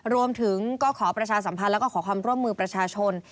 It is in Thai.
รวมถึงก็ขอประชาสัมพันธ์แล้วก็ขอความร่วมมือประชาชน